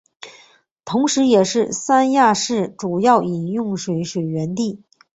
同时也是三亚市主要饮用水水源地。